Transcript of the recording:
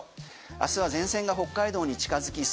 明日は前線が北海道に近づき